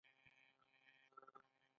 آیا سوله او ثبات د دواړو په ګټه نه دی؟